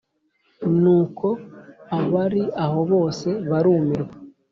ni uko abari aho bose barumirwa,